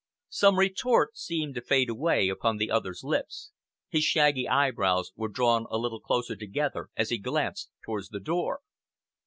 Some retort seemed to fade away upon the other's lips. His shaggy eyebrows were drawn a little closer together as he glanced towards the door.